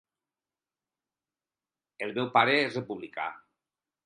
El meu pare és republicà.